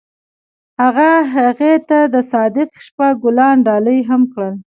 هغه هغې ته د صادق شپه ګلان ډالۍ هم کړل.